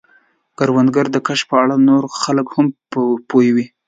کروندګر د کښت په اړه نور خلک هم پوهوي